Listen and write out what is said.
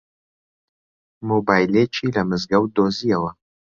مۆبایلێکی لە مزگەوت دۆزییەوە.